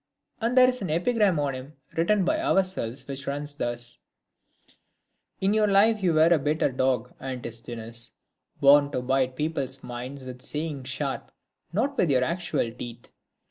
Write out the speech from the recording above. And there is an epigram on him written by ourselves, which runs thus :— In life you were a bitter dog, Antisthenes, Born to bite people's minds with sayings sharp, Not with your actual teeth.